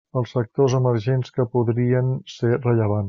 Els sectors emergents que podrien ser rellevants.